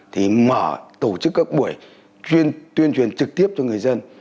thì mở tổ chức các buổi tuyên truyền trực tiếp cho người dân